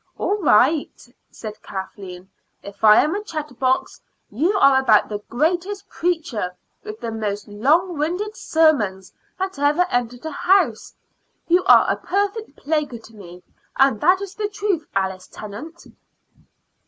"All right," said Kathleen. "If I am a chatterbox, you are about the greatest preacher, with the most long winded sermons, that ever entered a house. You are a perfect plague to me, and that is the truth, Alice Tennant."